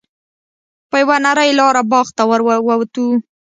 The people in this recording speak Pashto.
په یوه نرۍ لاره باغ ته ور ووتو.